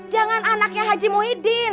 jangan anaknya haji muhyiddin